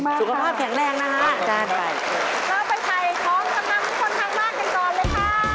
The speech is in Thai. เราไปถ่ายของจำนำทุกคนทางมากกันก่อนเลยค่ะ